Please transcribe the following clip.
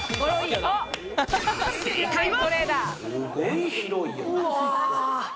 正解は。